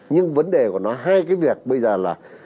nhưng vấn đề của nó hai cái việc bây giờ là